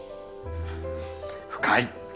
深い！